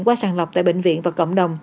qua sàn lọc tại bệnh viện và cộng đồng